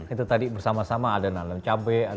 itu tadi bersama sama ada nanam cabai